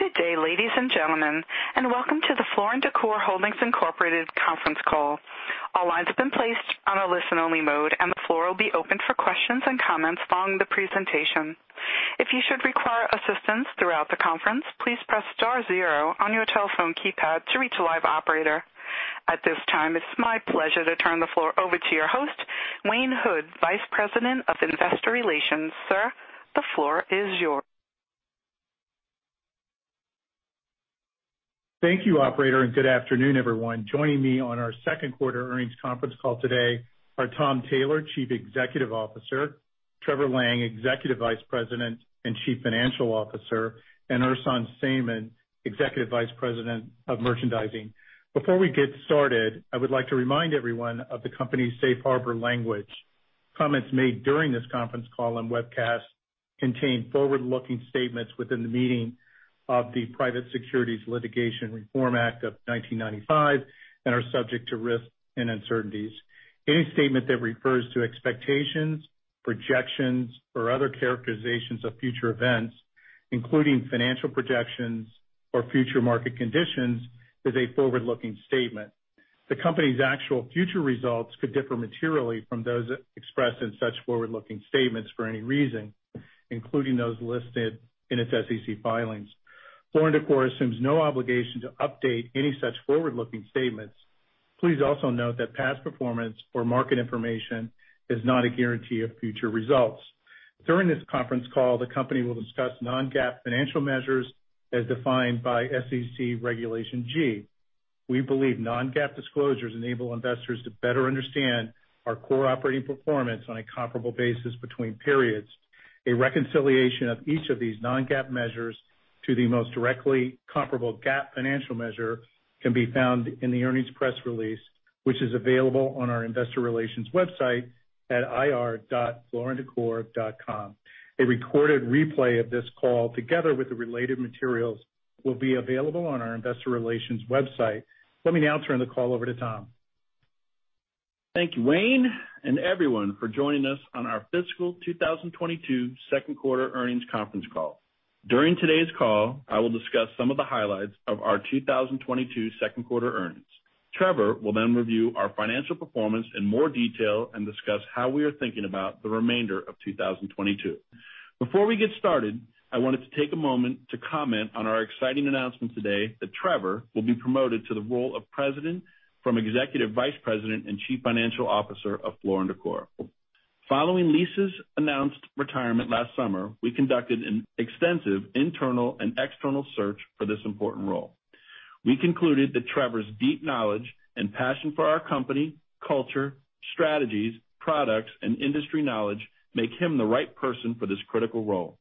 Good day, ladies and gentlemen, and welcome to the Floor & Decor Holdings, Inc. conference call. All lines have been placed on a listen-only mode, and the floor will be open for questions and comments following the presentation. If you should require assistance throughout the conference, please press star zero on your telephone keypad to reach a live operator. At this time, it's my pleasure to turn the floor over to your host, Wayne Hood, Vice President of Investor Relations. Sir, the floor is yours. Thank you, Operator, and good afternoon, everyone. Joining me on our second quarter earnings conference call today are Tom Taylor, Chief Executive Officer, Trevor Lang, Executive Vice President and Chief Financial Officer, and Ersan Sayman, Executive Vice President of Merchandising. Before we get started, I would like to remind everyone of the company's safe harbor language. Comments made during this conference call and webcast contain forward-looking statements within the meaning of the Private Securities Litigation Reform Act of 1995 and are subject to risks and uncertainties. Any statement that refers to expectations, projections, or other characterizations of future events, including financial projections or future market conditions, is a forward-looking statement. The company's actual future results could differ materially from those expressed in such forward-looking statements for any reason, including those listed in its SEC filings. Floor & Decor assumes no obligation to update any such forward-looking statements. Please also note that past performance or market information is not a guarantee of future results. During this conference call, the company will discuss non-GAAP financial measures as defined by SEC Regulation G. We believe non-GAAP disclosures enable investors to better understand our core operating performance on a comparable basis between periods. A reconciliation of each of these non-GAAP measures to the most directly comparable GAAP financial measure can be found in the earnings press release, which is available on our investor relations website at ir.flooranddecor.com. A recorded replay of this call, together with the related materials, will be available on our investor relations website. Let me now turn the call over to Tom. Thank you, Wayne, and everyone for joining us on our fiscal 2022 second quarter earnings conference call. During today's call, I will discuss some of the highlights of our 2022 second quarter earnings. Trevor will then review our financial performance in more detail and discuss how we are thinking about the remainder of 2022. Before we get started, I wanted to take a moment to comment on our exciting announcement today that Trevor will be promoted to the role of President from Executive Vice President and Chief Financial Officer of Floor & Decor. Following Lisa's announced retirement last summer, we conducted an extensive internal and external search for this important role. We concluded that Trevor's deep knowledge and passion for our company, culture, strategies, products, and industry knowledge make him the right person for this critical role.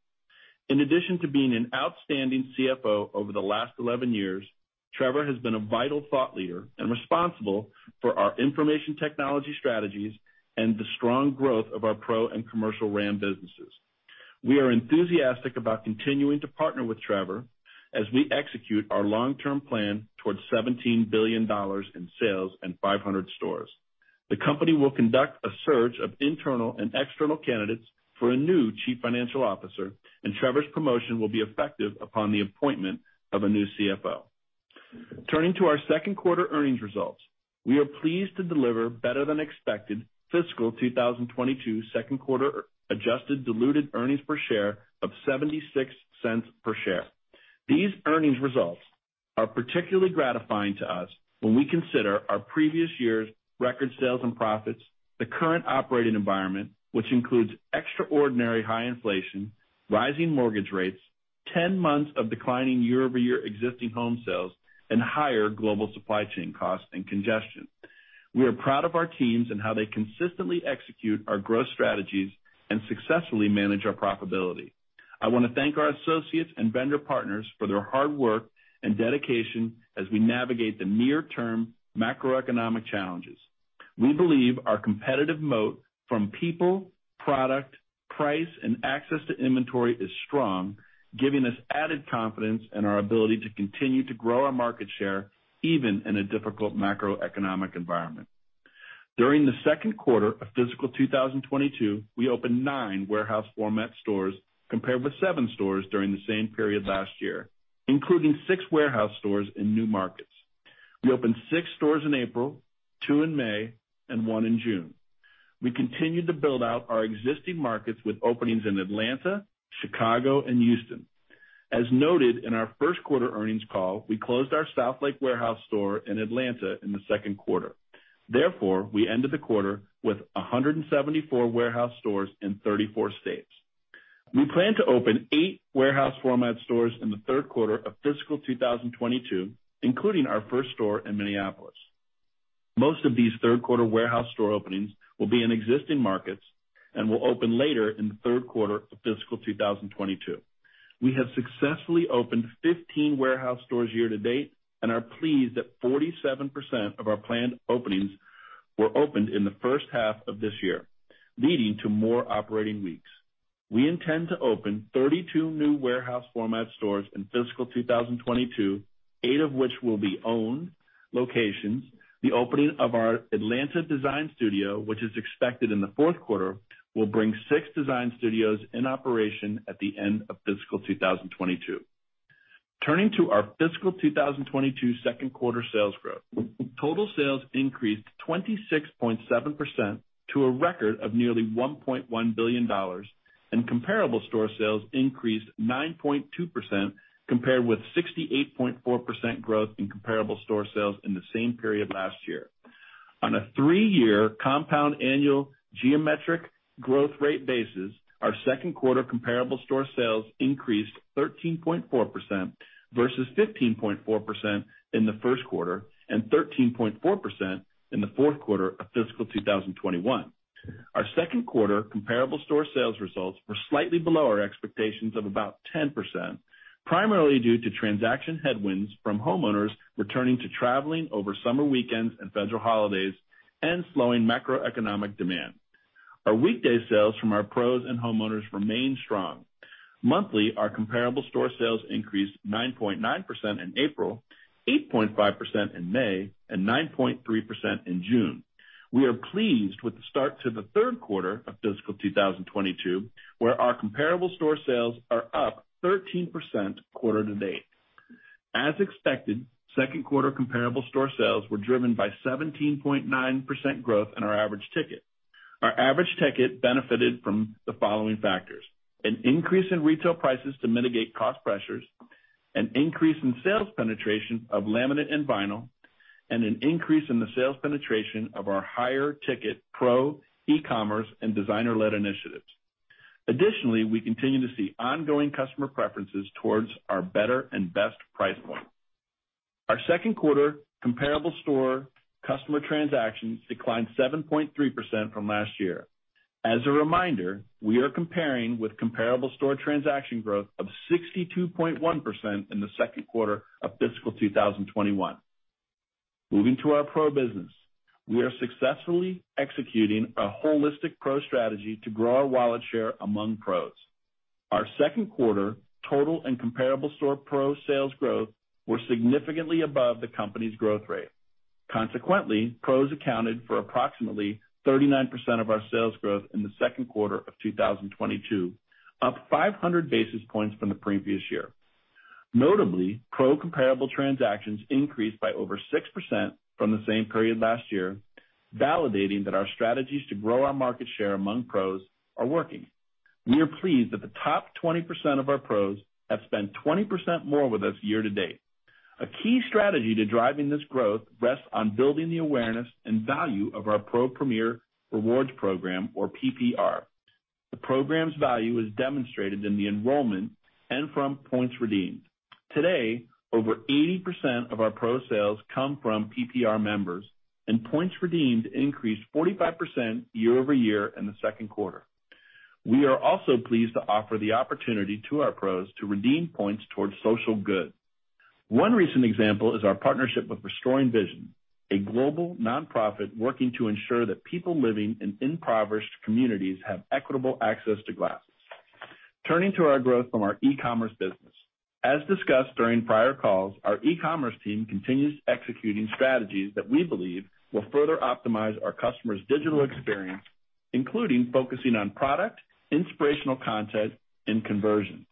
In addition to being an outstanding CFO over the last 11 years, Trevor has been a vital thought leader and responsible for our information technology strategies and the strong growth of our Pro and commercial RAM businesses. We are enthusiastic about continuing to partner with Trevor as we execute our long-term plan towards $17 billion in sales and 500 stores. The company will conduct a search of internal and external candidates for a new Chief Financial Officer, and Trevor's promotion will be effective upon the appointment of a new CFO. Turning to our second quarter earnings results. We are pleased to deliver better than expected fiscal 2022 second quarter adjusted diluted earnings per share of $0.76 per share. These earnings results are particularly gratifying to us when we consider our previous year's record sales and profits, the current operating environment, which includes extraordinary high inflation, rising mortgage rates, 10 months of declining year-over-year existing home sales, and higher global supply chain costs and congestion. We are proud of our teams and how they consistently execute our growth strategies and successfully manage our profitability. I wanna thank our associates and vendor partners for their hard work and dedication as we navigate the near-term macroeconomic challenges. We believe our competitive moat from people, product, price, and access to inventory is strong, giving us added confidence in our ability to continue to grow our market share even in a difficult macroeconomic environment. During the second quarter of fiscal 2022, we opened nine warehouse format stores compared with seven stores during the same period last year, including six warehouse stores in new markets. We opened six stores in April, two in May, and one in June. We continued to build out our existing markets with openings in Atlanta, Chicago, and Houston. As noted in our first quarter earnings call, we closed our South Lake warehouse store in Atlanta in the second quarter. Therefore, we ended the quarter with 174 warehouse stores in 34 states. We plan to open eight warehouse format stores in the third quarter of fiscal 2022, including our first store in Minneapolis. Most of these third quarter warehouse store openings will be in existing markets and will open later in the third quarter of fiscal 2022. We have successfully opened 15 warehouse stores year-to-date and are pleased that 47% of our planned openings were opened in the first half of this year, leading to more operating weeks. We intend to open 32 new warehouse format stores in fiscal 2022, eight of which will be owned locations. The opening of our Atlanta design studio, which is expected in the fourth quarter, will bring six design studios in operation at the end of fiscal 2022. Turning to our fiscal 2022 second quarter sales growth. Total sales increased 26.7% to a record of nearly $1.1 billion, and comparable store sales increased 9.2% compared with 68.4% growth in comparable store sales in the same period last year. On a three-year compound annual geometric growth rate basis, our second quarter comparable store sales increased 13.4% versus 15.4% in the first quarter and 13.4% in the fourth quarter of fiscal 2021. Our second quarter comparable store sales results were slightly below our expectations of about 10%, primarily due to transaction headwinds from homeowners returning to traveling over summer weekends and federal holidays and slowing macroeconomic demand. Our weekday sales from our Pros and homeowners remain strong. Monthly, our comparable store sales increased 9.9% in April, 8.5% in May, and 9.3% in June. We are pleased with the start to the third quarter of fiscal 2022, where our comparable store sales are up 13% quarter to date. As expected, second quarter comparable store sales were driven by 17.9% growth in our average ticket. Our average ticket benefited from the following factors. An increase in retail prices to mitigate cost pressures, an increase in sales penetration of laminate and vinyl, and an increase in the sales penetration of our higher ticket Pro, e-commerce, and designer-led initiatives. Additionally, we continue to see ongoing customer preferences towards our better and best price point. Our second quarter comparable store customer transactions declined 7.3% from last year. As a reminder, we are comparing with comparable store transaction growth of 62.1% in the second quarter of fiscal 2021. Moving to our Pro business. We are successfully executing a holistic Pro strategy to grow our wallet share among Pros. Our second quarter total and comparable store Pro sales growth were significantly above the company's growth rate. Consequently, Pros accounted for approximately 39% of our sales growth in the second quarter of 2022, up 500 basis points from the previous year. Notably, Pro comparable transactions increased by over 6% from the same period last year, validating that our strategies to grow our market share among Pros are working. We are pleased that the top 20% of our Pros have spent 20% more with us year-to-date. A key strategy to driving this growth rests on building the awareness and value of our Pro Premier Rewards program, or PPR. The program's value is demonstrated in the enrollment and from points redeemed. Today, over 80% of our Pro sales come from PPR members, and points redeemed increased 45% year-over-year in the second quarter. We are also pleased to offer the opportunity to our Pros to redeem points towards social good. One recent example is our partnership with RestoringVision, a global nonprofit working to ensure that people living in impoverished communities have equitable access to glasses. Turning to our growth from our e-commerce business. As discussed during prior calls, our e-commerce team continues executing strategies that we believe will further optimize our customers' digital experience, including focusing on product, inspirational content, and conversion.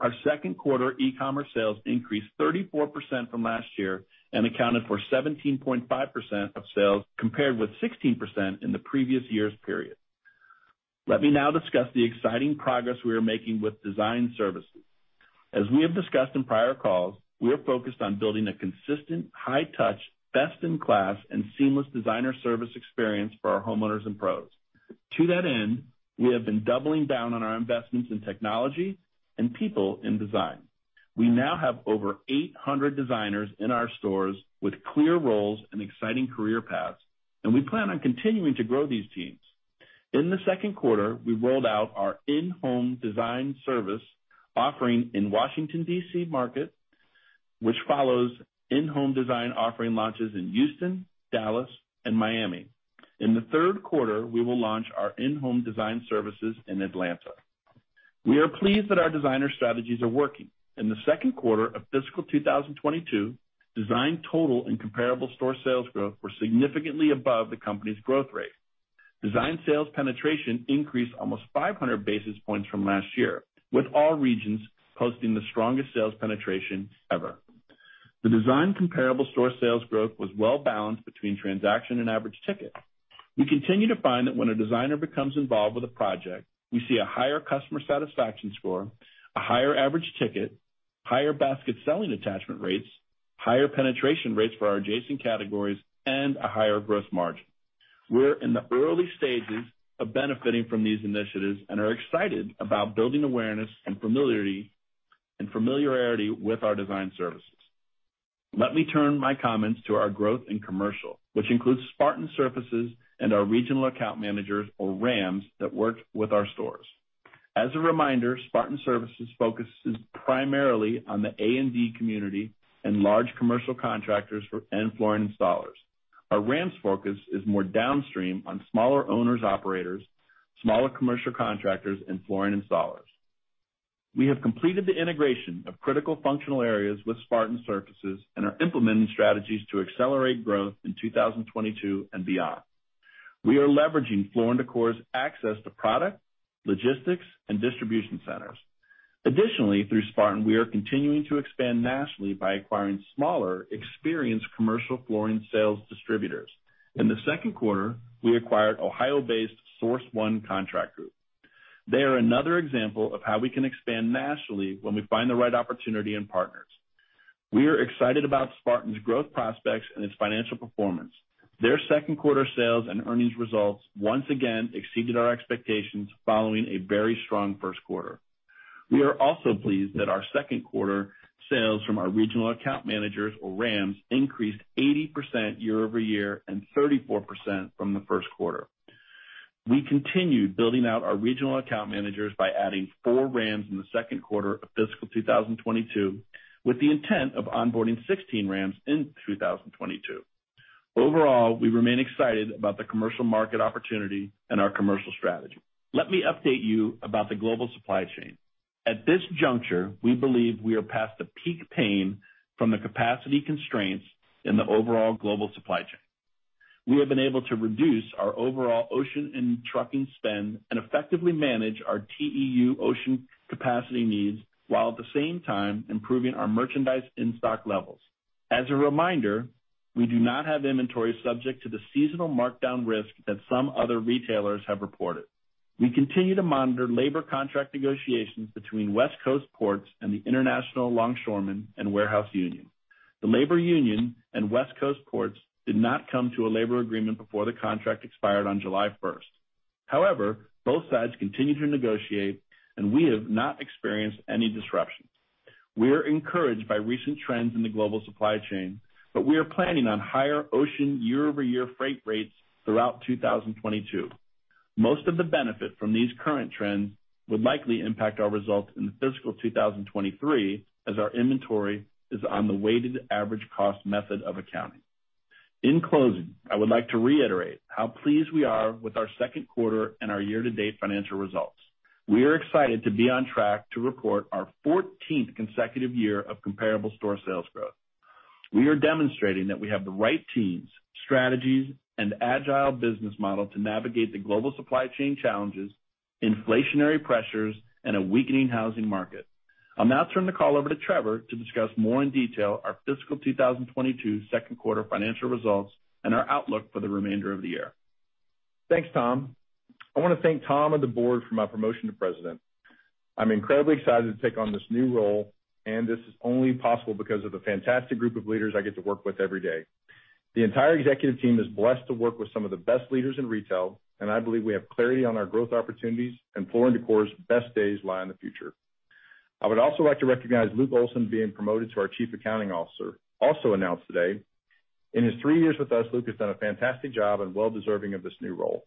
Our second quarter e-commerce sales increased 34% from last year and accounted for 17.5% of sales, compared with 16% in the previous year's period. Let me now discuss the exciting progress we are making with design services. As we have discussed in prior calls, we are focused on building a consistent, high touch, best in class and seamless designer service experience for our homeowners and Pros. To that end, we have been doubling down on our investments in technology and people in design. We now have over 800 designers in our stores with clear roles and exciting career paths, and we plan on continuing to grow these teams. In the second quarter, we rolled out our in-home design service offering in Washington, D.C. market, which follows in-home design offering launches in Houston, Dallas, and Miami. In the third quarter, we will launch our in-home design services in Atlanta. We are pleased that our designer strategies are working. In the second quarter of fiscal 2022, design total and comparable store sales growth were significantly above the company's growth rate. Design sales penetration increased almost 500 basis points from last year, with all regions posting the strongest sales penetration ever. The design comparable store sales growth was well balanced between transaction and average ticket. We continue to find that when a designer becomes involved with a project, we see a higher customer satisfaction score, a higher average ticket, higher basket selling attachment rates, higher penetration rates for our adjacent categories, and a higher gross margin. We're in the early stages of benefiting from these initiatives and are excited about building awareness and familiarity with our design services. Let me turn my comments to our growth in commercial, which includes Spartan Surfaces and our regional account managers, or RAMs, that work with our stores. As a reminder, Spartan Surfaces focuses primarily on the A&D community and large commercial contractors and flooring installers. Our RAMs' focus is more downstream on smaller owners, operators, smaller commercial contractors, and flooring installers. We have completed the integration of critical functional areas with Spartan Surfaces and are implementing strategies to accelerate growth in 2022 and beyond. We are leveraging Floor & Decor's access to product, logistics, and distribution centers. Additionally, through Spartan, we are continuing to expand nationally by acquiring smaller, experienced commercial flooring sales distributors. In the second quarter, we acquired Ohio-based Source One Contract Group. They are another example of how we can expand nationally when we find the right opportunity and partners. We are excited about Spartan's growth prospects and its financial performance. Their second quarter sales and earnings results once again exceeded our expectations following a very strong first quarter. We are also pleased that our second quarter sales from our regional account managers, or RAMs, increased 80% year-over-year and 34% from the first quarter. We continued building out our regional account managers by adding four RAMs in the second quarter of fiscal 2022, with the intent of onboarding 16 RAMs in 2022. Overall, we remain excited about the commercial market opportunity and our commercial strategy. Let me update you about the global supply chain. At this juncture, we believe we are past the peak pain from the capacity constraints in the overall global supply chain. We have been able to reduce our overall ocean and trucking spend and effectively manage our TEU ocean capacity needs, while at the same time improving our merchandise in-stock levels. As a reminder, we do not have inventory subject to the seasonal markdown risk that some other retailers have reported. We continue to monitor labor contract negotiations between West Coast ports and the International Longshore and Warehouse Union. The labor union and West Coast ports did not come to a labor agreement before the contract expired on July 1st. However, both sides continue to negotiate, and we have not experienced any disruption. We are encouraged by recent trends in the global supply chain, but we are planning on higher ocean year-over-year freight rates throughout 2022. Most of the benefit from these current trends would likely impact our results in the fiscal 2023, as our inventory is on the weighted average cost method of accounting. In closing, I would like to reiterate how pleased we are with our second quarter and our year-to-date financial results. We are excited to be on track to report our 14th consecutive year of comparable store sales growth. We are demonstrating that we have the right teams, strategies, and agile business model to navigate the global supply chain challenges, inflationary pressures, and a weakening housing market. I'll now turn the call over to Trevor to discuss more in detail our fiscal 2022 second quarter financial results and our outlook for the remainder of the year. Thanks, Tom. I wanna thank Tom and the board for my promotion to president. I'm incredibly excited to take on this new role, and this is only possible because of the fantastic group of leaders I get to work with every day. The entire executive team is blessed to work with some of the best leaders in retail, and I believe we have clarity on our growth opportunities, and Floor & Decor's best days lie in the future. I would also like to recognize Luke Olson being promoted to our Chief Accounting Officer, also announced today. In his three years with us, Luke has done a fantastic job and well deserving of this new role.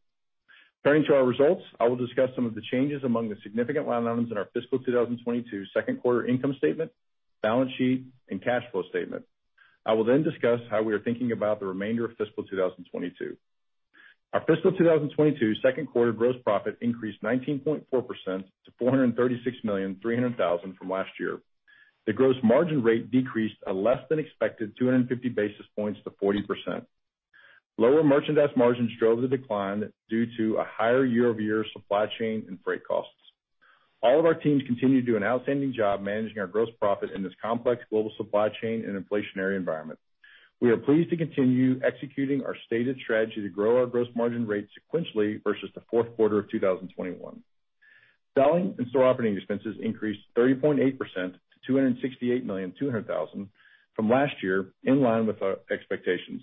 Turning to our results, I will discuss some of the changes among the significant line items in our fiscal 2022 second quarter income statement, balance sheet, and cash flow statement. I will then discuss how we are thinking about the remainder of fiscal 2022. Our fiscal 2022 second quarter gross profit increased 19.4% to $436,300,000 from last year. The gross margin rate decreased a less than expected 250 basis points to 40%. Lower merchandise margins drove the decline due to a higher year-over-year supply chain and freight costs. All of our teams continue to do an outstanding job managing our gross profit in this complex global supply chain and inflationary environment. We are pleased to continue executing our stated strategy to grow our gross margin rate sequentially versus the fourth quarter of 2021. Selling and store operating expenses increased 30.8% to $268,200,000 from last year, in line with our expectations.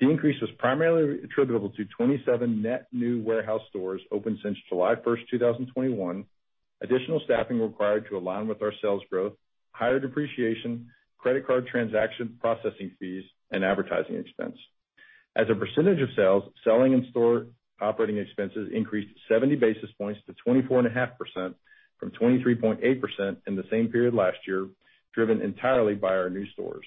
The increase was primarily attributable to 27 net new warehouse stores opened since July 1st, 2021, additional staffing required to align with our sales growth, higher depreciation, credit card transaction processing fees, and advertising expense. As a percentage of sales, selling and store operating expenses increased 70 basis points to 24.5% from 23.8% in the same period last year, driven entirely by our new stores.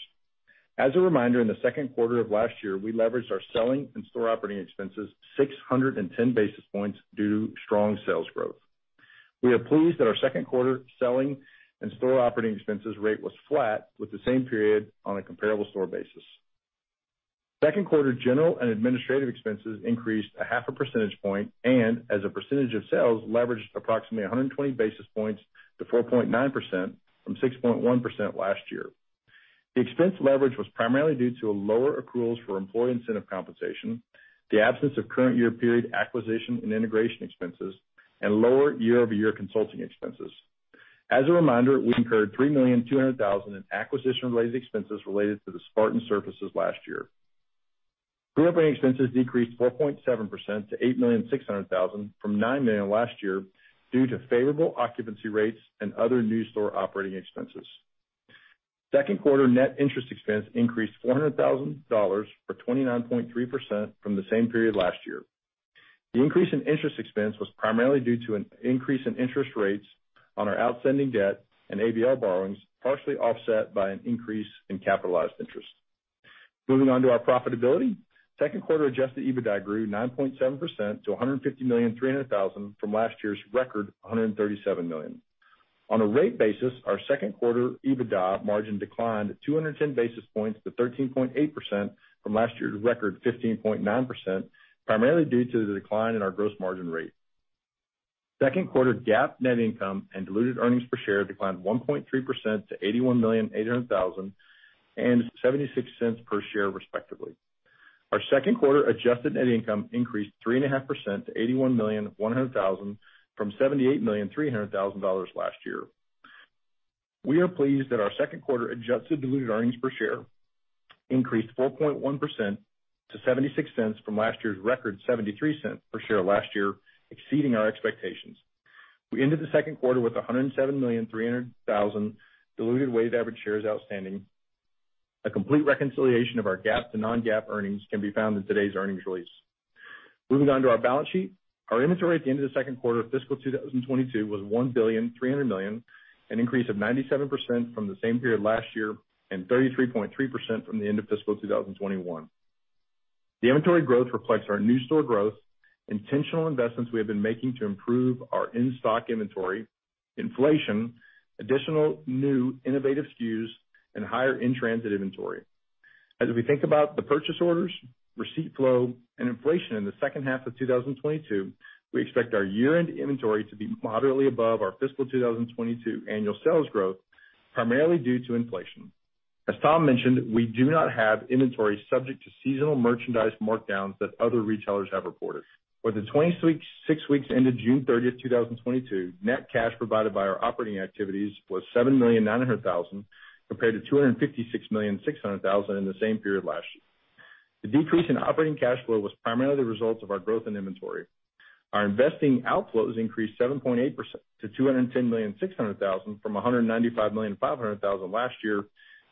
As a reminder, in the second quarter of last year, we leveraged our selling and store operating expenses 610 basis points due to strong sales growth. We are pleased that our second quarter selling and store operating expenses rate was flat with the same period on a comparable store basis. Second quarter general and administrative expenses increased a half a percentage point, and as a percentage of sales, leveraged approximately 120 basis points to 4.9% from 6.1% last year. The expense leverage was primarily due to a lower accruals for employee incentive compensation, the absence of current year period acquisition and integration expenses, and lower year-over-year consulting expenses. As a reminder, we incurred $3,200,000 in acquisition-related expenses related to the Spartan Surfaces last year. Pre-operating expenses decreased 4.7% to $8,600,000 from $9 million last year due to favorable occupancy rates and other new store operating expenses. Second quarter net interest expense increased $400,000, or 29.3%, from the same period last year. The increase in interest expense was primarily due to an increase in interest rates on our outstanding debt and ABL borrowings, partially offset by an increase in capitalized interest. Moving on to our profitability. Second quarter adjusted EBITDA grew 9.7% to $150,300,000 from last year's record $137 million. On a rate basis, our second quarter EBITDA margin declined 210 basis points to 13.8% from last year's record 15.9%, primarily due to the decline in our gross margin rate. Second quarter GAAP net income and diluted earnings per share declined 1.3% to $81,800,000 and $0.76 per share, respectively. Our second quarter adjusted net income increased 3.5% to $81,100,000 from $78,300,000 last year. We are pleased that our second quarter adjusted diluted earnings per share increased 4.1% to $0.76 from last year's record $0.73 per share last year, exceeding our expectations. We ended the second quarter with 107,300,000 diluted weighted average shares outstanding. A complete reconciliation of our GAAP to non-GAAP earnings can be found in today's earnings release. Moving on to our balance sheet. Our inventory at the end of the second quarter of fiscal 2022 was $1,300,000,000, an increase of 97% from the same period last year and 33.3% from the end of fiscal 2021. The inventory growth reflects our new store growth, intentional investments we have been making to improve our in-stock inventory, inflation, additional new innovative SKUs, and higher in-transit inventory. As we think about the purchase orders, receipt flow, and inflation in the second half of 2022, we expect our year-end inventory to be moderately above our fiscal 2022 annual sales growth, primarily due to inflation. As Tom mentioned, we do not have inventory subject to seasonal merchandise markdowns that other retailers have reported. For the 26 weeks ended June 30th, 2022, net cash provided by our operating activities was $7,900,000, compared to $256,600,000 in the same period last year. The decrease in operating cash flow was primarily the result of our growth in inventory. Our investing outflows increased 7.8% to $210,600,000 from $195,500,000 Last year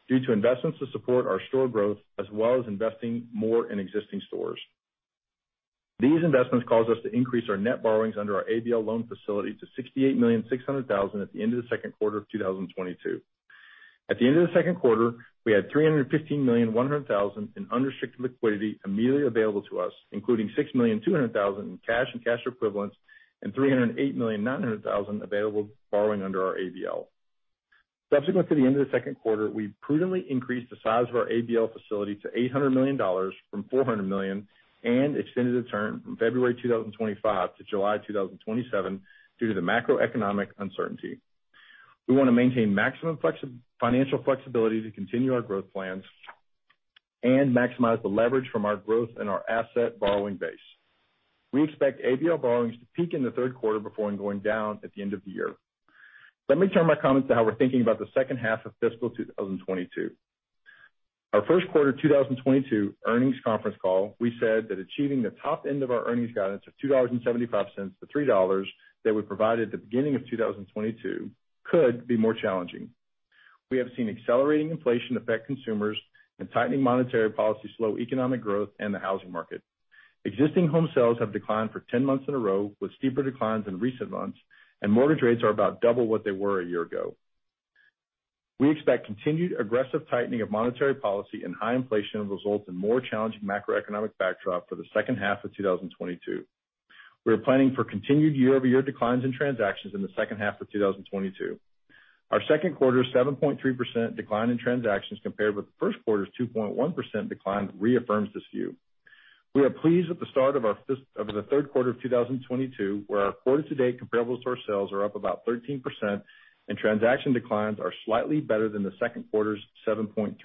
due to investments to support our store growth, as well as investing more in existing stores. These investments caused us to increase our net borrowings under our ABL loan facility to $68,600,000 at the end of the second quarter of 2022. At the end of the second quarter, we had $315,100,000 in unrestricted liquidity immediately available to us, including $6,200,000 in cash and cash equivalents and $308,900,000 available borrowing under our ABL. Subsequent to the end of the second quarter, we prudently increased the size of our ABL facility to $800 million from $400 million and extended the term from February 2025 to July 2027 due to the macroeconomic uncertainty. We wanna maintain maximum financial flexibility to continue our growth plans and maximize the leverage from our growth and our asset borrowing base. We expect ABL borrowings to peak in the third quarter before going down at the end of the year. Let me turn my comments to how we're thinking about the second half of fiscal 2022. Our first quarter 2022 earnings conference call, we said that achieving the top end of our earnings guidance of $2.75-$3 that we provided at the beginning of 2022 could be more challenging. We have seen accelerating inflation affect consumers and tightening monetary policy slow economic growth and the housing market. Existing home sales have declined for 10 months in a row, with steeper declines in recent months, and mortgage rates are about double what they were a year ago. We expect continued aggressive tightening of monetary policy and high inflation will result in more challenging macroeconomic backdrop for the second half of 2022. We are planning for continued year-over-year declines in transactions in the second half of 2022. Our second quarter's 7.3% decline in transactions compared with first quarter's 2.1% decline reaffirms this view. We are pleased at the start of our third quarter of 2022, where our quarter-to-date comparable store sales are up about 13% and transaction declines are slightly better than the second quarter's 7.3%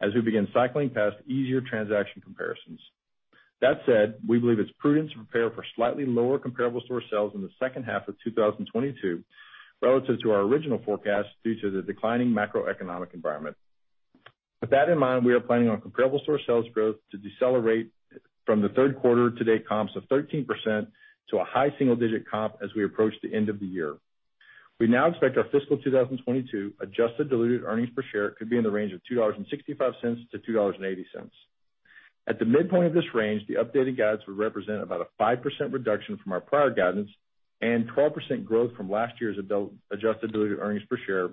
as we begin cycling past easier transaction comparisons. That said, we believe it's prudent to prepare for slightly lower comparable store sales in the second half of 2022 relative to our original forecast due to the declining macroeconomic environment. With that in mind, we are planning on comparable store sales growth to decelerate from the third quarter to date comps of 13% to a high single-digit comp as we approach the end of the year. We now expect our fiscal 2022 adjusted diluted earnings per share could be in the range of $2.65-$2.80. At the midpoint of this range, the updated guidance would represent about a 5% reduction from our prior guidance and 12% growth from last year's adjusted diluted earnings per share,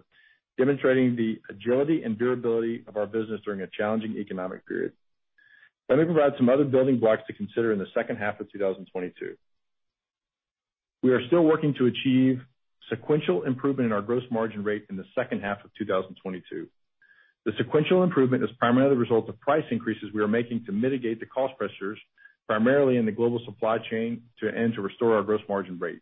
demonstrating the agility and durability of our business during a challenging economic period. Let me provide some other building blocks to consider in the second half of 2022. We are still working to achieve sequential improvement in our gross margin rate in the second half of 2022. The sequential improvement is primarily the result of price increases we are making to mitigate the cost pressures, primarily in the global supply chain to and to restore our gross margin rate.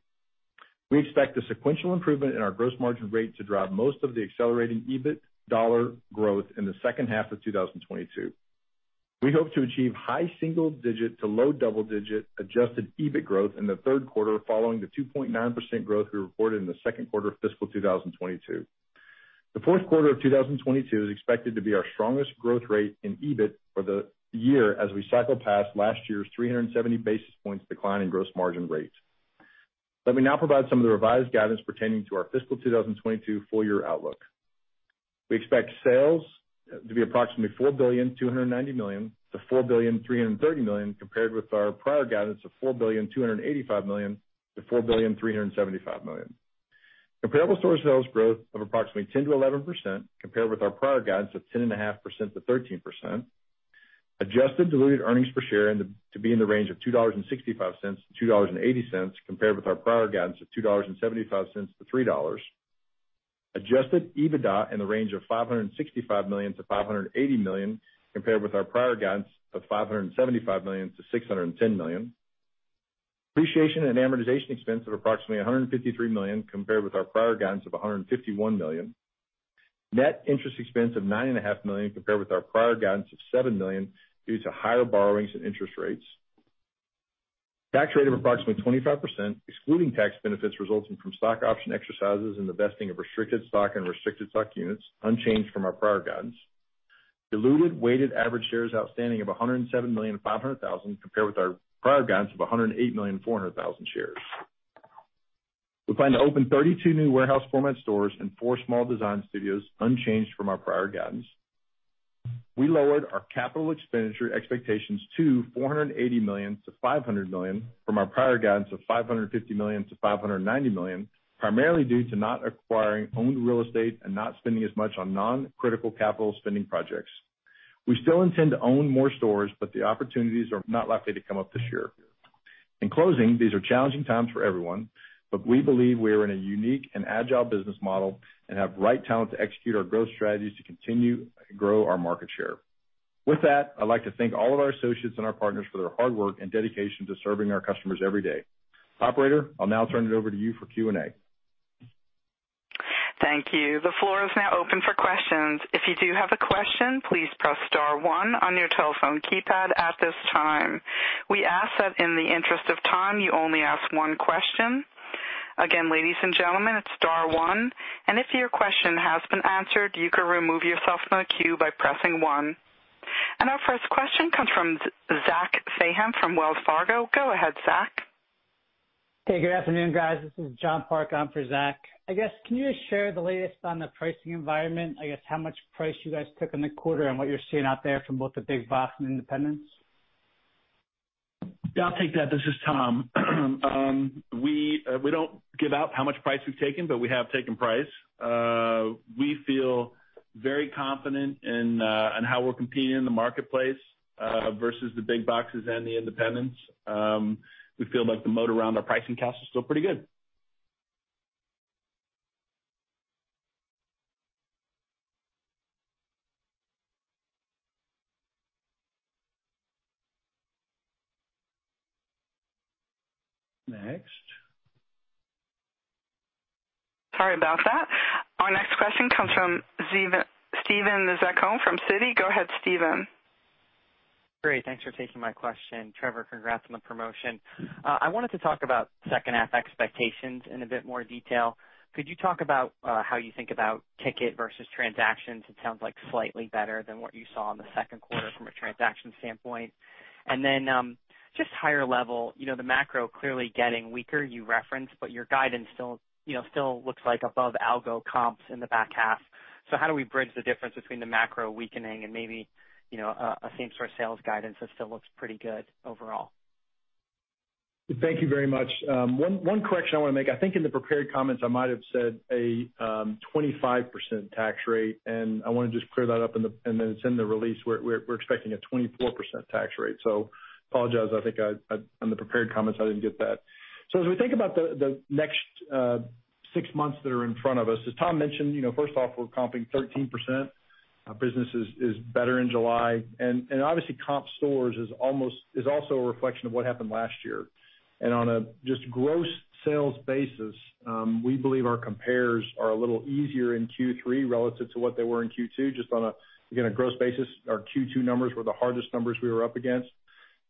We expect the sequential improvement in our gross margin rate to drive most of the accelerating EBIT dollar growth in the second half of 2022. We hope to achieve high single-digit to low double-digit adjusted EBIT growth in the third quarter, following the 2.9% growth we reported in the second quarter of fiscal 2022. The fourth quarter of 2022 is expected to be our strongest growth rate in EBIT for the year as we cycle past last year's 370 basis points decline in gross margin rate. Let me now provide some of the revised guidance pertaining to our fiscal 2022 full year outlook. We expect sales to be approximately $4,290,000,000-$4,330,000,000, compared with our prior guidance of $4,285,000,000-$4,375,000,000. Comparable store sales growth of approximately 10%-11% compared with our prior guidance of 10.5%-13%. Adjusted diluted earnings per share to be in the range of $2.65-$2.80 compared with our prior guidance of $2.75-$3.00. Adjusted EBITDA in the range of $565 million-$580 million, compared with our prior guidance of $575 million-$610 million. Depreciation and amortization expense of approximately $153 million compared with our prior guidance of $151 million. Net interest expense of $9.5 million compared with our prior guidance of $7 million due to higher borrowings and interest rates. Tax rate of approximately 25%, excluding tax benefits resulting from stock option exercises and the vesting of restricted stock and restricted stock units unchanged from our prior guidance. Diluted weighted average shares outstanding of 107,500,000 compared with our prior guidance of 108,400,000 shares. We plan to open 32 new warehouse format stores and four small Design Studios unchanged from our prior guidance. We lowered our capital expenditure expectations to $480 million-$500 million from our prior guidance of $550 million-$590 million, primarily due to not acquiring owned real estate and not spending as much on non-critical capital spending projects. We still intend to own more stores, but the opportunities are not likely to come up this year. In closing, these are challenging times for everyone, but we believe we are in a unique and agile business model and have right talent to execute our growth strategies to continue and grow our market share. With that, I'd like to thank all of our associates and our partners for their hard work and dedication to serving our customers every day. Operator, I'll now turn it over to you for Q&A. Thank you. The floor is now open for questions. If you do have a question, please press star one on your telephone keypad at this time. We ask that in the interest of time, you only ask one question. Again, ladies and gentlemen, it's star one. If your question has been answered, you can remove yourself from the queue by pressing one. Our first question comes from Zach Fadem from Wells Fargo. Go ahead, Zach. Hey, good afternoon, guys. This is John Parke on for Zach. I guess, can you share the latest on the pricing environment? I guess how much price you guys took in the quarter and what you're seeing out there from both the big box and independents. Yeah, I'll take that. This is Tom. We don't give out how much price we've taken, but we have taken price. We feel very confident on how we're competing in the marketplace versus the big boxes and the independents. We feel like the model around our pricing strategy is still pretty good. Next. Sorry about that. Our next question comes from Steven Zaccone from Citi. Go ahead, Steven. Great. Thanks for taking my question. Trevor, congrats on the promotion. I wanted to talk about second half expectations in a bit more detail. Could you talk about how you think about ticket versus transactions? It sounds like slightly better than what you saw in the second quarter from a transaction standpoint. Then, just higher level, you know, the macro clearly getting weaker, you referenced, but your guidance still, you know, still looks like above analog comps in the back half. How do we bridge the difference between the macro weakening and maybe, you know, a same store sales guidance that still looks pretty good overall? Thank you very much. One correction I wanna make. I think in the prepared comments, I might have said a 25% tax rate, and I wanna just clear that up and then it's in the release, we're expecting a 24% tax rate. Apologize. I think on the prepared comments, I didn't get that. As we think about the next six months that are in front of us, as Tom mentioned, you know, first off, we're comping 13%. Our business is better in July. Obviously comp stores is also a reflection of what happened last year. On a just gross sales basis, we believe our compares are a little easier in Q3 relative to what they were in Q2. Just on a gross basis again, our Q2 numbers were the hardest numbers we were up against.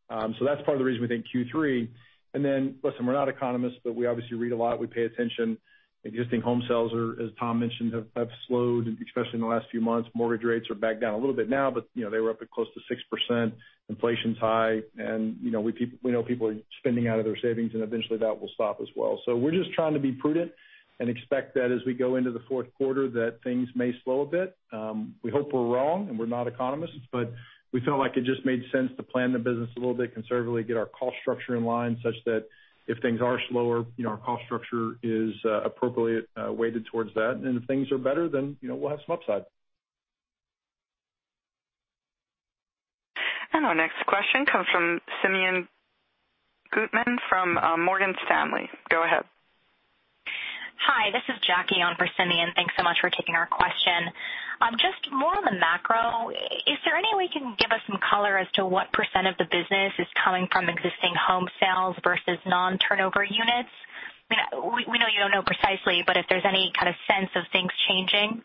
That's part of the reason we think Q3. Then listen, we're not economists, but we obviously read a lot, we pay attention. Existing home sales are, as Tom mentioned, have slowed, especially in the last few months. Mortgage rates are back down a little bit now, but you know, they were up at close to 6%. Inflation's high and, you know, we know people are spending out of their savings, and eventually that will stop as well. We're just trying to be prudent and expect that as we go into the fourth quarter, that things may slow a bit. We hope we're wrong and we're not economists, but we felt like it just made sense to plan the business a little bit conservatively, get our cost structure in line such that if things are slower, you know, our cost structure is appropriately weighted towards that. If things are better, then, you know, we'll have some upside. Our next question comes from Simeon Gutman from Morgan Stanley. Go ahead. Hi, this is Jackie on for Simeon. Thanks so much for taking our question. Just more on the macro. Is there any way you can give us some color as to what percentage of the business is coming from existing home sales versus non-turnover units? We know you don't know precisely, but if there's any kind of sense of things changing.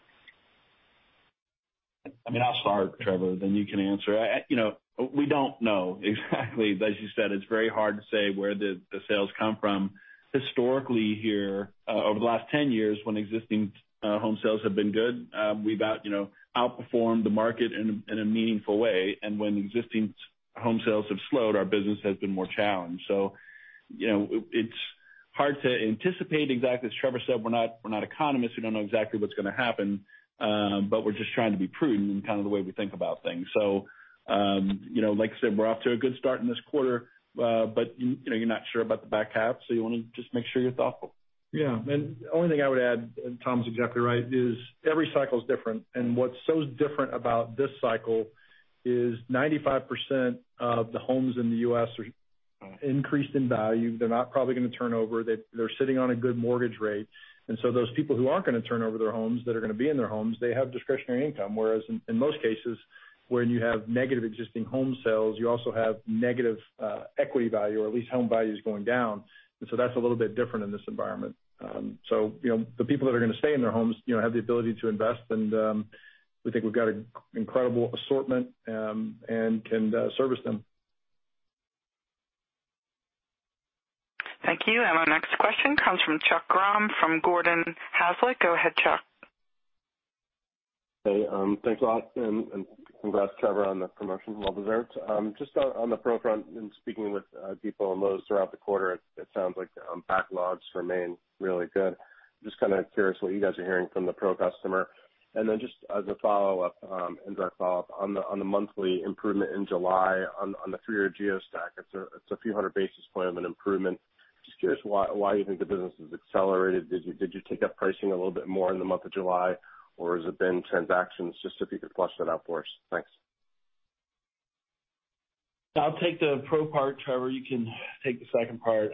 I mean, I'll start, Trevor, then you can answer. You know, we don't know exactly. As you said, it's very hard to say where the sales come from. Historically here, over the last 10 years when existing home sales have been good, we've, you know, outperformed the market in a meaningful way. When existing home sales have slowed, our business has been more challenged. You know, it's... Hard to anticipate exactly. As Trevor said, we're not economists. We don't know exactly what's gonna happen, but we're just trying to be prudent in kind of the way we think about things. You know, like I said, we're off to a good start in this quarter, but you know, you're not sure about the back half, so you wanna just make sure you're thoughtful. Yeah. The only thing I would add, and Tom's exactly right, is every cycle is different. What's so different about this cycle is 95% of the homes in the U.S. are increased in value. They're not probably gonna turn over. They're sitting on a good mortgage rate. Those people who aren't gonna turn over their homes, that are gonna be in their homes, they have discretionary income, whereas in most cases, when you have negative existing home sales, you also have negative equity value, or at least home value is going down. That's a little bit different in this environment. You know, the people that are gonna stay in their homes, you know, have the ability to invest, and we think we've got an incredible assortment, and can service them. Thank you. Our next question comes from Chuck Grom from Gordon Haskett. Go ahead, Chuck. Hey, thanks a lot, and congrats, Trevor, on the promotion. Well deserved. Just on the Pro front and speaking with people in Lowe's throughout the quarter, it sounds like backlogs remain really good. Just kinda curious what you guys are hearing from the Pro customer. Just as a follow-up and direct follow-up on the monthly improvement in July on the three-year geo stack, it's a few hundred basis points of an improvement. Just curious why you think the business has accelerated. Did you take up pricing a little bit more in the month of July, or has it been transactions? Just if you could flesh that out for us. Thanks. I'll take the Pro part. Trevor, you can take the second part.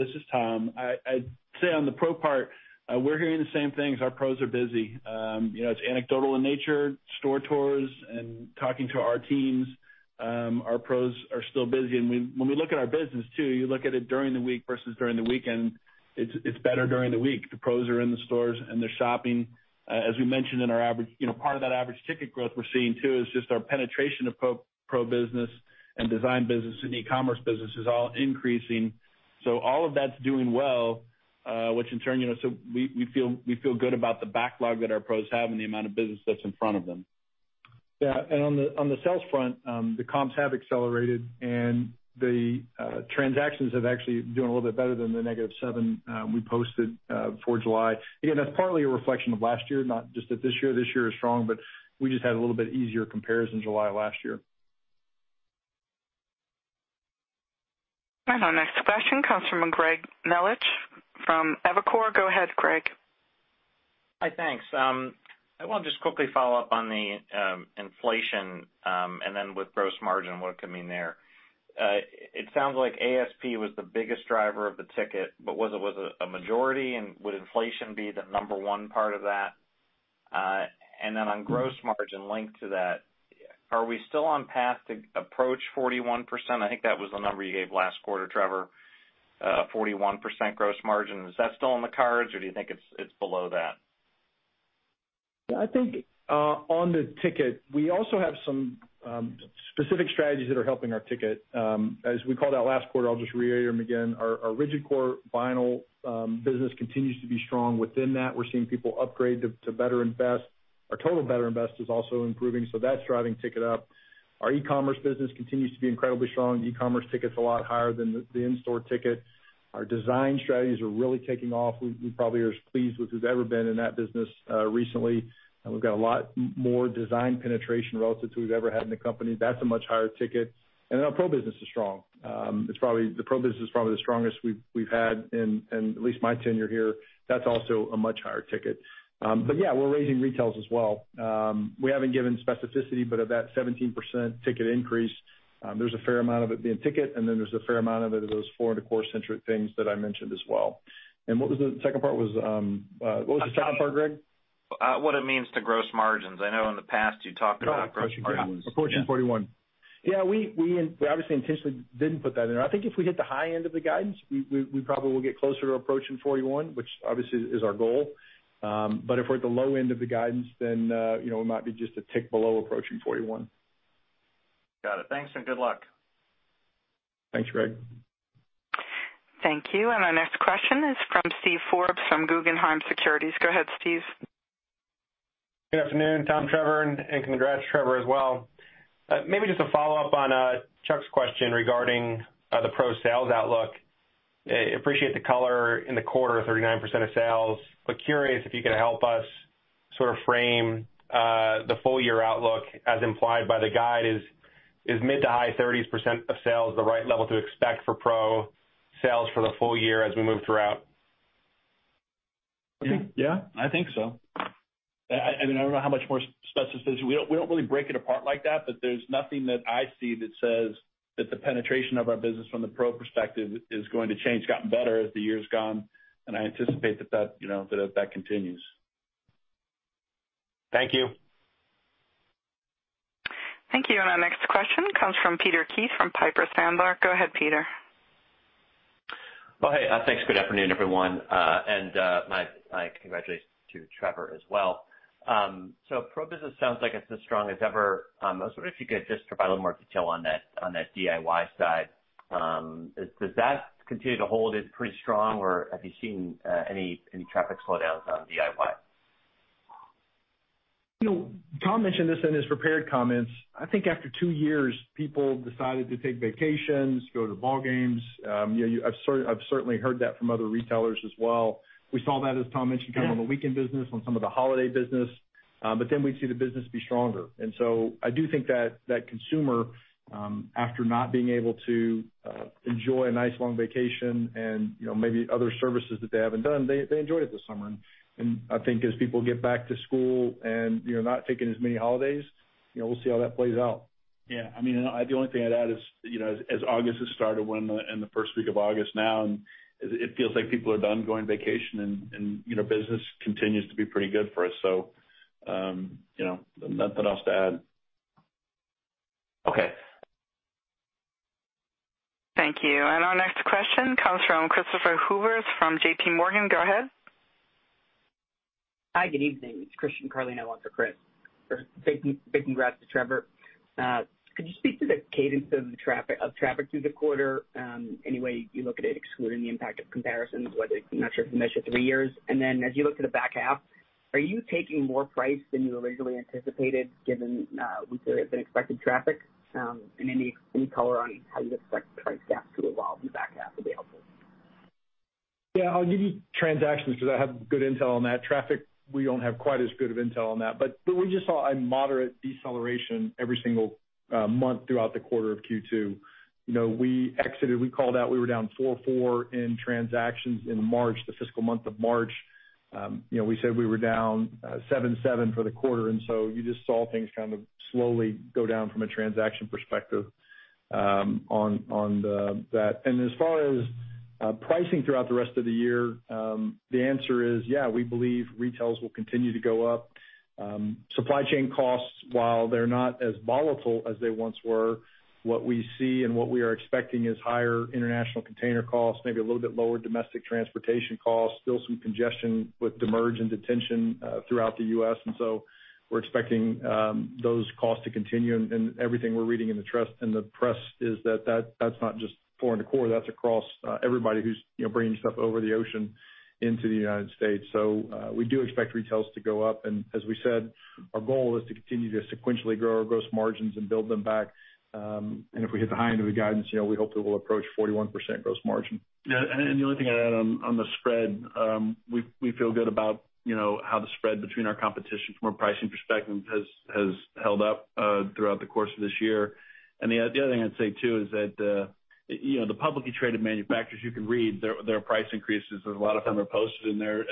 This is Tom. I'd say on the Pro part, we're hearing the same things. Our Pros are busy. You know, it's anecdotal in nature, store tours and talking to our teams, our Pros are still busy. When we look at our business too, you look at it during the week versus during the weekend, it's better during the week. The Pros are in the stores, and they're shopping. As we mentioned in our average, you know, part of that average ticket growth we're seeing too is just our penetration of Pro business and design business and e-commerce business is all increasing. All of that's doing well, which in turn, you know, we feel good about the backlog that our Pros have and the amount of business that's in front of them. Yeah. On the sales front, the comps have accelerated, and the transactions have actually doing a little bit better than the -7% we posted for July. Again, that's partly a reflection of last year, not just that this year is strong, but we just had a little bit easier compares in July last year. Our next question comes from Greg Melich from Evercore. Go ahead, Greg. Hi. Thanks. I want to just quickly follow up on the inflation, and then with gross margin, what it could mean there. It sounds like ASP was the biggest driver of the ticket, but was it a majority, and would inflation be the number one part of that? On gross margin linked to that, are we still on track to approach 41%? I think that was the number you gave last quarter, Trevor, 41% gross margin. Is that still in the cards, or do you think it's below that? Yeah. I think on the ticket, we also have some specific strategies that are helping our ticket. As we called out last quarter, I'll just reiterate them again. Our rigid core vinyl business continues to be strong. Within that, we're seeing people upgrade to better and best. Our total better and best is also improving, so that's driving ticket up. Our e-commerce business continues to be incredibly strong. E-commerce ticket's a lot higher than the in-store ticket. Our design strategies are really taking off. We probably are as pleased with who's ever been in that business recently. We've got a lot more design penetration relative to we've ever had in the company. That's a much higher ticket. Our Pro business is strong. The Pro business is probably the strongest we've had in at least my tenure here. That's also a much higher ticket. But yeah, we're raising retails as well. We haven't given specificity, but of that 17% ticket increase, there's a fair amount of it being ticket, and then there's a fair amount of it are those four to core-centric things that I mentioned as well. What was the second part, Greg Melich? What it means to gross margins. I know in the past you talked about gross margins. Approaching 41%. We obviously intentionally didn't put that in there. I think if we hit the high end of the guidance, we probably will get closer to approaching 41%, which obviously is our goal. If we're at the low end of the guidance, then, you know, we might be just a tick below approaching 41%. Got it. Thanks and good luck. Thanks, Greg. Thank you. Our next question is from Steve Forbes from Guggenheim Securities. Go ahead, Steve. Good afternoon, Tom, Trevor, and congrats, Trevor, as well. Maybe just a follow-up on Chuck's question regarding the Pro sales outlook. Appreciate the color in the quarter, 39% of sales, but curious if you could help us sort of frame the full year outlook as implied by the guide. Is mid- to high 30s percent of sales the right level to expect for Pro sales for the full year as we move throughout? Yeah. I think so. I mean, I don't know how much more specificity. We don't really break it apart like that, but there's nothing that I see that says that the penetration of our business from the Pro perspective is going to change. It's gotten better as the year's gone, and I anticipate that, you know, that continues. Thank you. Thank you. Our next question comes from Peter Keith from Piper Sandler. Go ahead, Peter. Well, hey. Thanks. Good afternoon, everyone, and my congratulations to Trevor as well. Pro business sounds like it's as strong as ever. I was wondering if you could just provide a little more detail on that DIY side. Does that continue to hold up pretty strong, or have you seen any traffic slowdowns on DIY? You know, Tom mentioned this in his prepared comments. I think after two years, people decided to take vacations, go to ball games. You know, I've certainly heard that from other retailers as well. We saw that, as Tom mentioned... Yeah. ...kind of on the weekend business, on some of the holiday business. We'd see the business be stronger. I do think that consumer, after not being able to enjoy a nice long vacation and, you know, maybe other services that they haven't done, they enjoyed it this summer. I think as people get back to school and, you know, not taking as many holidays, you know, we'll see how that plays out. Yeah. I mean, the only thing I'd add is, you know, as August has started, we're in the first week of August now, and it feels like people are done going vacation and, you know, business continues to be pretty good for us. Nothing else to add. Okay. Thank you. Our next question comes from Christopher Horvers from JPMorgan. Go ahead. Hi, good evening. It's Christian Carlino on for Chris. First, big congrats to Trevor. Could you speak to the cadence of the traffic through the quarter? Any way you look at it excluding the impact of comparisons, whether, I'm not sure if you measure three years. Then as you look to the back half, are you taking more price than you originally anticipated given with the expected traffic? And any color on how you expect price gaps to evolve in the back half would be helpful. Yeah, I'll give you transactions 'cause I have good intel on that. Traffic, we don't have quite as good of intel on that. We just saw a moderate deceleration every single month throughout the quarter of Q2. You know, we exited, we called out we were down 4.4% in transactions in March, the fiscal month of March. You know, we said we were down 7.7% for the quarter, and so you just saw things kind of slowly go down from a transaction perspective, on that. As far as pricing throughout the rest of the year, the answer is, yeah, we believe retail will continue to go up. Supply chain costs, while they're not as volatile as they once were, what we see and what we are expecting is higher international container costs, maybe a little bit lower domestic transportation costs, still some congestion with demurrage and detention throughout the U.S. We're expecting those costs to continue and everything we're reading in the press is that that's not just Floor & Decor, that's across everybody who's, you know, bringing stuff over the ocean into the United States. We do expect retail to go up, and as we said, our goal is to continue to sequentially grow our gross margins and build them back. If we hit the high end of the guidance, you know, we hope that we'll approach 41% gross margin. The only thing I'd add on the spread, we feel good about, you know, how the spread between our competition from a pricing perspective has held up throughout the course of this year. The other thing I'd say too is that, you know, the publicly traded manufacturers, you can read their price increases, a lot of them are posted, and they're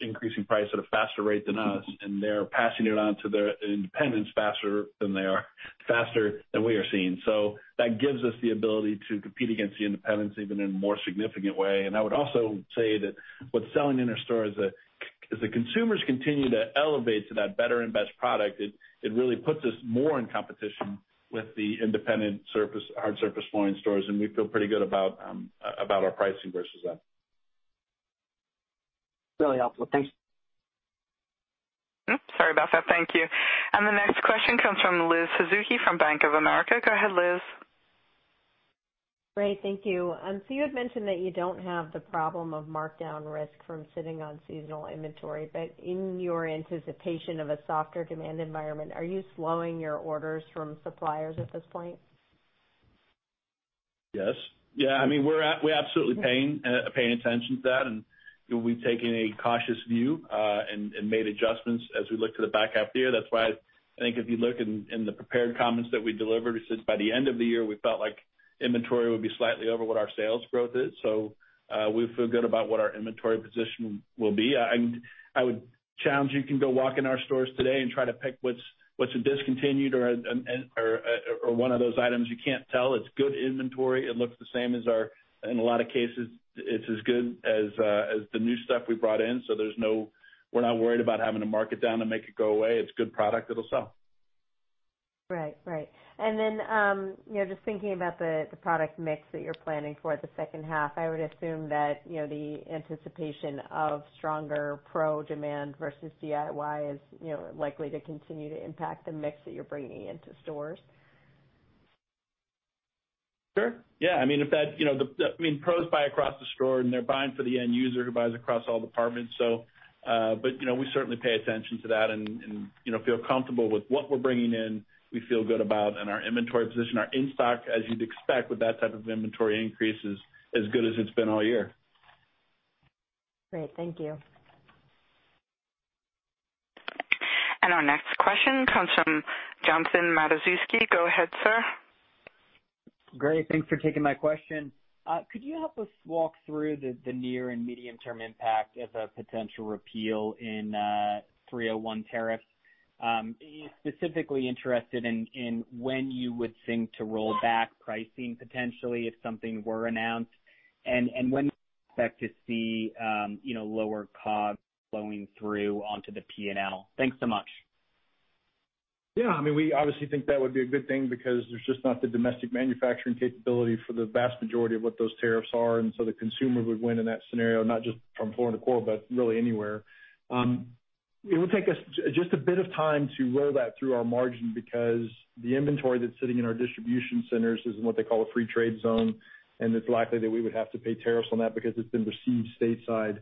increasing price at a faster rate than us, and they're passing it on to their independents faster than they are, faster than we are seeing. That gives us the ability to compete against the independents even in a more significant way. I would also say that what's selling in our stores, as the consumers continue to elevate to that better and best product, it really puts us more in competition with the independent hard surface flooring stores, and we feel pretty good about our pricing versus that. Really helpful. Thanks. Oops. Sorry about that. Thank you. The next question comes from Liz Suzuki from Bank of America. Go ahead, Liz. Great. Thank you. You had mentioned that you don't have the problem of markdown risk from sitting on seasonal inventory, but in your anticipation of a softer demand environment, are you slowing your orders from suppliers at this point? Yes. Yeah, I mean, we're absolutely paying attention to that, and we've taken a cautious view, and made adjustments as we look to the back half of the year. That's why I think if you look in the prepared comments that we delivered, it says by the end of the year, we felt like inventory would be slightly over what our sales growth is. We feel good about what our inventory position will be. I would challenge you can go walk in our stores today and try to pick what's a discontinued or an or one of those items. You can't tell. It's good inventory. It looks the same as our—in a lot of cases, it's as good as the new stuff we brought in. There's no—we're not worried about having to mark it down to make it go away. It's good product. It'll sell. Right. You know, just thinking about the product mix that you're planning for the second half, I would assume that, you know, the anticipation of stronger Pro demand versus DIY is, you know, likely to continue to impact the mix that you're bringing into stores. Sure. Yeah. I mean, if that's, you know, I mean, Pros buy across the store, and they're buying for the end user who buys across all departments, so, but, you know, we certainly pay attention to that and, you know, feel comfortable with what we're bringing in, we feel good about. Our inventory position, our in-stock, as you'd expect with that type of inventory increase, is as good as it's been all year. Great. Thank you. Our next question comes from Jonathan Matuszewski. Go ahead, sir. Great. Thanks for taking my question. Could you help us walk through the near- and medium-term impact of a potential repeal in 301 tariffs? Specifically interested in when you would think to roll back pricing potentially if something were announced and when you expect to see lower costs flowing through onto the P&L. Thanks so much. Yeah, I mean, we obviously think that would be a good thing because there's just not the domestic manufacturing capability for the vast majority of what those tariffs are, and so the consumer would win in that scenario, not just from Floor & Decor, but really anywhere. It would take us just a bit of time to roll that through our margin because the inventory that's sitting in our distribution centers is in what they call a free trade zone, and it's likely that we would have to pay tariffs on that because it's been received stateside.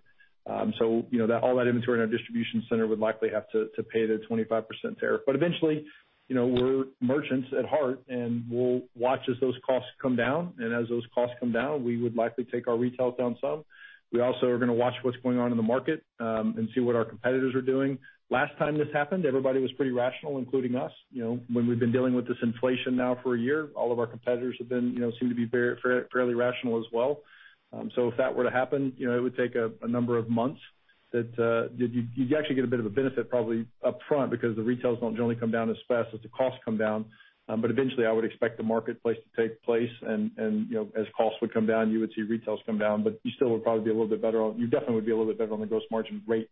You know, that all that inventory in our distribution center would likely have to pay the 25% tariff. Eventually, you know, we're merchants at heart, and we'll watch as those costs come down, and as those costs come down, we would likely take our retails down some. We also are gonna watch what's going on in the market, and see what our competitors are doing. Last time this happened, everybody was pretty rational, including us. You know, when we've been dealing with this inflation now for a year, all of our competitors have been, you know, seem to be fairly rational as well. If that were to happen, you know, it would take a number of months that, you'd actually get a bit of a benefit probably up front because the retails don't generally come down as fast as the costs come down. Eventually, I would expect the marketplace to take place and, you know, as costs would come down, you would see retails come down, but you still would probably be a little bit better off. You definitely would be a little bit better on the gross margin rate,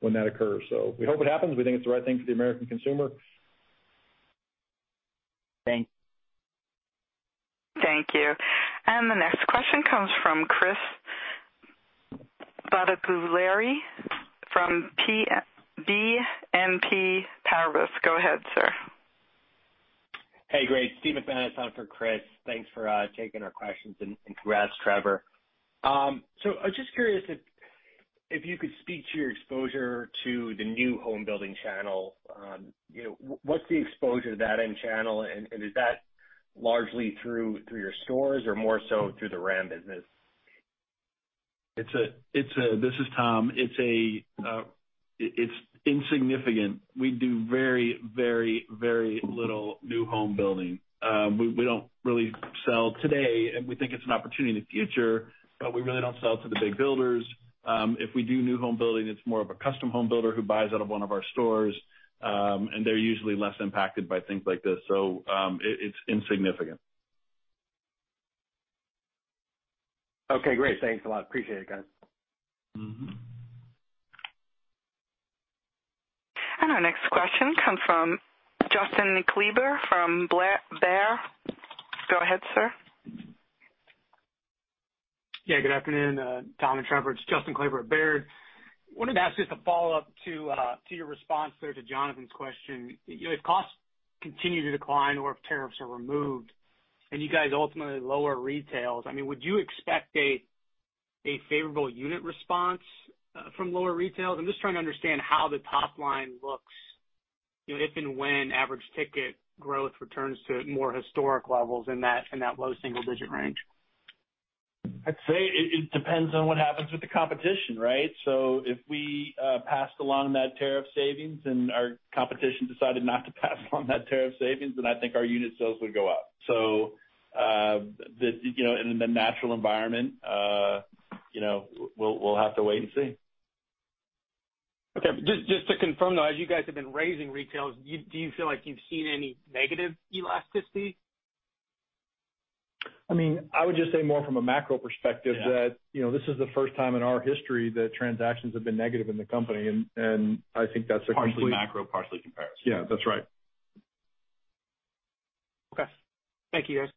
when that occurs. We hope it happens. We think it's the right thing for the American consumer. Thanks. Thank you. The next question comes from Chris Bottiglieri from BNP Paribas. Go ahead, sir. Hey, great. Steve McManus for Chris. Thanks for taking our questions, and congrats, Trevor. I was just curious if you could speak to your exposure to the new home building channel. You know, what's the exposure to that end channel and is that largely through your stores or more so through the RAM business? This is Tom. It's insignificant. We do very little new home building. We don't really sell today, and we think it's an opportunity in the future, but we really don't sell to the big builders. If we do new home building, it's more of a custom home builder who buys out of one of our stores, and they're usually less impacted by things like this. It's insignificant. Okay, great. Thanks a lot. Appreciate it, guys. Our next question comes from Justin Kleber from Baird. Go ahead, sir. Yeah, good afternoon, Tom and Trevor. It's Justin Kleber at Baird. Wanted to ask just a follow-up to your response there to Jonathan's question. You know, if costs continue to decline or if tariffs are removed and you guys ultimately lower retails, I mean, would you expect a favorable unit response from lower retails? I'm just trying to understand how the top line looks, you know, if and when average ticket growth returns to more historic levels in that low single digit range. I'd say it depends on what happens with the competition, right? If we passed along that tariff savings and our competition decided not to pass along that tariff savings, then I think our unit sales would go up. You know, in the natural environment, you know, we'll have to wait and see. Okay. Just to confirm, though, as you guys have been raising retail, do you feel like you've seen any negative elasticity? I mean, I would just say more from a macro perspective... Yeah. ...that, you know, this is the first time in our history that transactions have been negative in the company, and I think that's a complete- Partially macro, partially comparison. Yeah, that's right. Okay. Thank you, guys.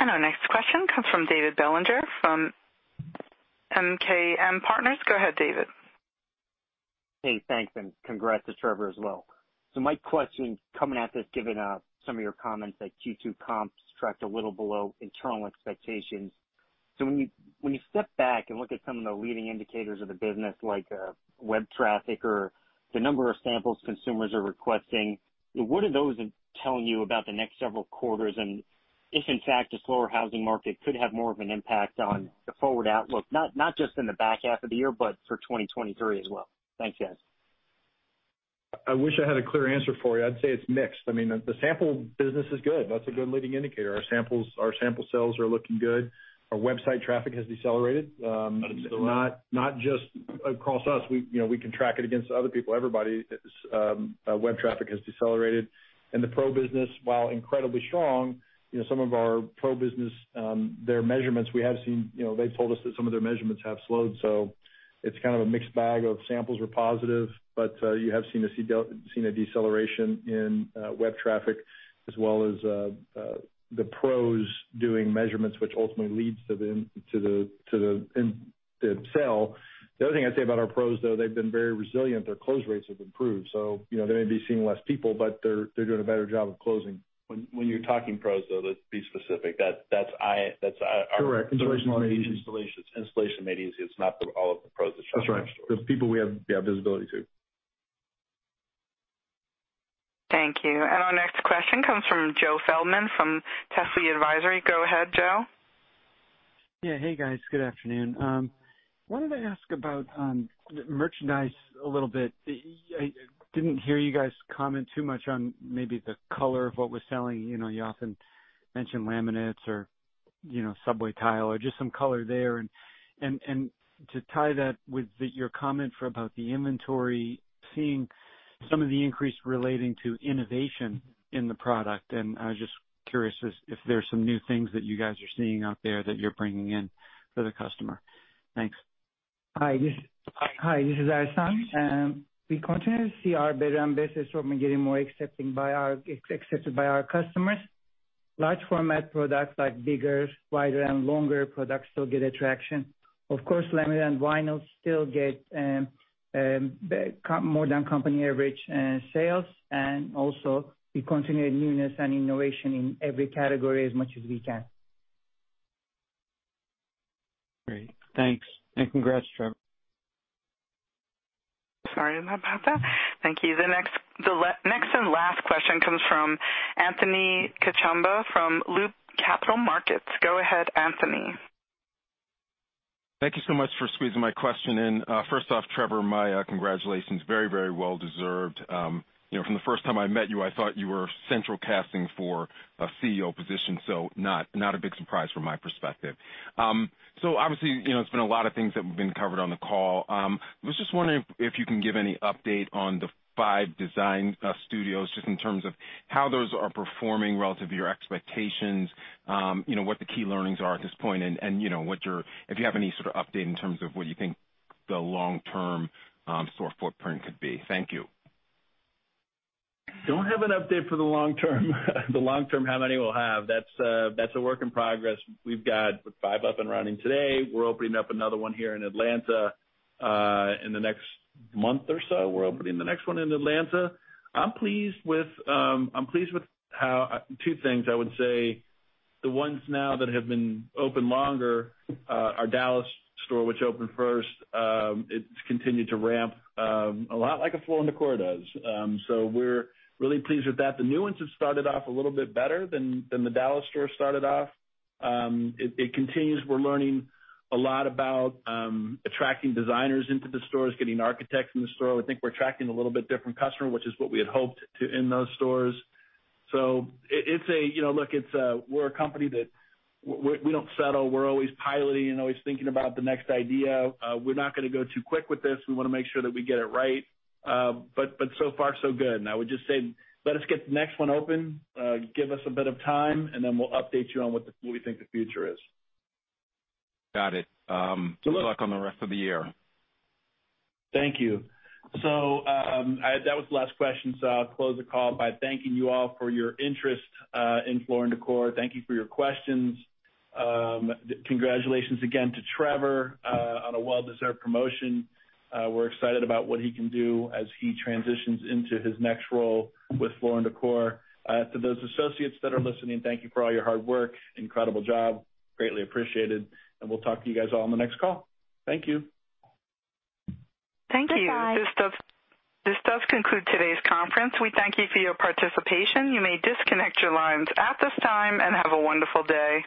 Our next question comes from David Bellinger from MKM Partners. Go ahead, David. Hey, thanks, and congrats to Trevor as well. My question coming at this, given some of your comments that Q2 comps tracked a little below internal expectations. When you step back and look at some of the leading indicators of the business, like web traffic or the number of samples consumers are requesting, what are those telling you about the next several quarters? And if, in fact, a slower housing market could have more of an impact on the forward outlook, not just in the back half of the year, but for 2023 as well. Thanks, guys. I wish I had a clear answer for you. I'd say it's mixed. I mean, the sample business is good. That's a good leading indicator. Our samples, our sample sales are looking good. Our website traffic has decelerated. Decelerated. Not just across us. We, you know, we can track it against other people. Everybody's web traffic has decelerated. The Pro business, while incredibly strong, you know, some of our Pro business, their measurements, we have seen, you know, they've told us that some of their measurements have slowed. It's kind of a mixed bag of samples were positive, but you have seen a deceleration in web traffic as well as the Pros doing measurements, which ultimately leads to the sale. The other thing I'd say about our Pros, though, they've been very resilient. Their close rates have improved. You know, they may be seeing less people, but they're doing a better job of closing. When you're talking Pros, though, let's be specific. That's our- Correct. Installation Made Easy. Installation Made Easy. It's not all of the Pros that shop in our stores. That's right. The people we have, yeah, visibility to. Thank you. Our next question comes from Joe Feldman from Telsey Advisory. Go ahead, Joe. Yeah. Hey, guys. Good afternoon. Wanted to ask about merchandise a little bit. I didn't hear you guys comment too much on maybe the color of what was selling. You know, you often mention laminates or, you know, subway tile or just some color there. And to tie that with your comment for about the inventory, seeing some of the increase relating to innovation in the product, and I was just curious if there's some new things that you guys are seeing out there that you're bringing in for the customer. Thanks. Hi, this is Ersan. We continue to see our bedroom business getting more accepted by our customers. Large format products like bigger, wider, and longer products still get traction. Of course, laminate and vinyl still get more than company average sales. We continue newness and innovation in every category as much as we can. Great. Thanks. Congrats, Trevor. Sorry about that. Thank you. The next and last question comes from Anthony Chukumba from Loop Capital Markets. Go ahead, Anthony. Thank you so much for squeezing my question in. First off, Trevor, my congratulations. Very, very well deserved. You know, from the first time I met you, I thought you were central casting for a CEO position, so not a big surprise from my perspective. So obviously, you know, it's been a lot of things that have been covered on the call. Was just wondering if you can give any update on the five Design Studios, just in terms of how those are performing relative to your expectations, you know, what the key learnings are at this point and you know what you're. If you have any sort of update in terms of what you think the long-term store footprint could be. Thank you. Don't have an update for the long term. The long term, how many we'll have. That's a work in progress. We've got five up and running today. We're opening up another one here in Atlanta in the next month or so. We're opening the next one in Atlanta. I'm pleased with how two things I would say. The ones now that have been open longer, our Dallas store, which opened first, it's continued to ramp a lot like a Floor & Decor does. So we're really pleased with that. The new ones have started off a little bit better than the Dallas store started off. It continues. We're learning a lot about attracting designers into the stores, getting architects in the store. I think we're attracting a little bit different customer, which is what we had hoped to in those stores. It's a, you know, look, it's, we're a company that we don't settle. We're always piloting and always thinking about the next idea. We're not gonna go too quick with this. We wanna make sure that we get it right. But so far so good. I would just say, let us get the next one open. Give us a bit of time, and then we'll update you on what we think the future is. Got it. So look- Good luck on the rest of the year. Thank you. That was the last question, so I'll close the call by thanking you all for your interest in Floor & Decor. Thank you for your questions. Congratulations again to Trevor on a well-deserved promotion. We're excited about what he can do as he transitions into his next role with Floor & Decor. To those associates that are listening, thank you for all your hard work. Incredible job. Greatly appreciated. We'll talk to you guys all on the next call. Thank you. Thank you. Bye-bye. This does conclude today's conference. We thank you for your participation. You may disconnect your lines at this time, and have a wonderful day.